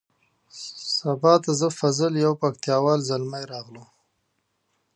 سبا ته زه فضل یو پکتیا وال زلمی راغلو.